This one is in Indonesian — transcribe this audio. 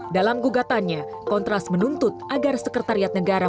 dalam gugatannya kontras menuntut agar sekretariat negara